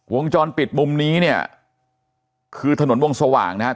วงจรปิดมุมนี้เนี่ยคือถนนวงสว่างนะครับ